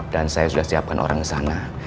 dan saya sudah siapkan orang kesana